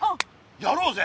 やろうぜ！